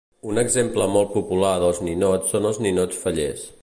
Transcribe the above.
Un exemple molt popular dels ninots són els ninots fallers.